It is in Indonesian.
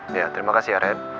ya terima kasih ya ren